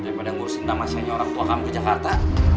daripada ngurusin nama saya orang tua kamu ke jakarta